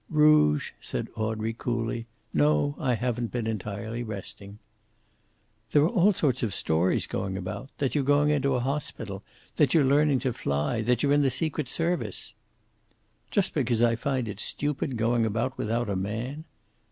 "Rouge," said Audrey, coolly. "No, I haven't been entirely resting." "There are all sorts of stories going about. That you're going into a hospital; that you're learning to fly; that you're in the secret service?" "Just because I find it stupid going about without a man!"